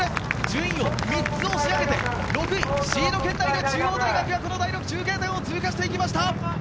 順位を３つ押し上げて６位、シード圏内に中央大学がこの第６中継点を通過していきました。